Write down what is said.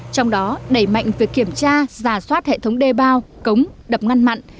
trong đó đẩy mạnh việc kiểm tra giả soát hệ thống đê bao cống đập ngăn mặn